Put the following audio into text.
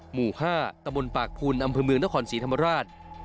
หมู่๕ตะบนปากภูนอำเภอเมืองนครศรีธรรมราช